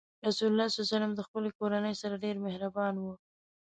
رسول الله ﷺ د خپلې کورنۍ سره ډېر مهربان و.